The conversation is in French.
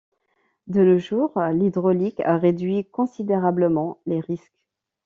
De nos jours, l'hydraulique a réduit considérablement les risques.